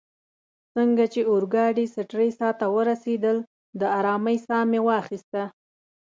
څنګه چي اورګاډې سټریسا ته ورسیدل، د آرامۍ ساه مې واخیسته.